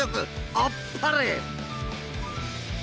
［あっぱれ！］